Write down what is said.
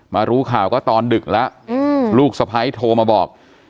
รู้ข่าวก็ตอนดึกแล้วลูกสะพ้ายโทรมาบอก